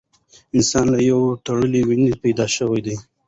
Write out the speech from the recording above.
انسان له یوې تړلې وینې پیدا شوی دی.